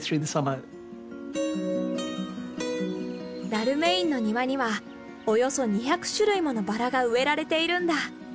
ダルメインの庭にはおよそ２００種類ものバラが植えられているんだ。